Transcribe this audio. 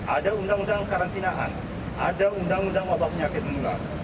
ada undang undang karantinaan ada undang undang wabah penyakit menular